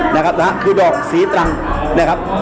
นะฮะคือดอกสีตรังนะครับ